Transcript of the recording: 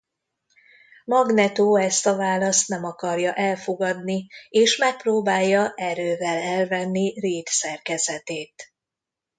Magneto ezt a választ nem akarja elfogadni és megpróbálja erővel elvenni Reed szerkezetét.